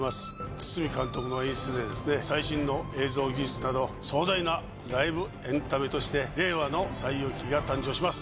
堤監督の演出で最新の映像技術など壮大なライブエンタメとして令和の『西遊記』が誕生します。